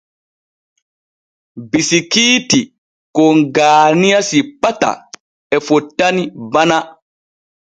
Bisikiiti kon Gaaniya simpata e fottani Bana.